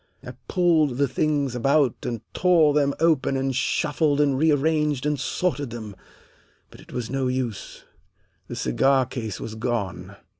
I pulled the things about and tore them open and shuffled and rearranged and sorted them, but it was no use. The cigar case was gone.